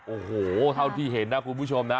โอ้โหเท่าที่เห็นนะคุณผู้ชมนะ